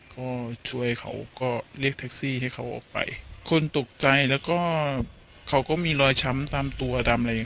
ก็ช่วยเขาก็เรียกแท็กซี่ให้เขาออกไปคนตกใจแล้วก็เขาก็มีรอยช้ำตามตัวตามอะไรอย่างเ